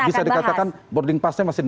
bisa dikatakan boarding passnya masih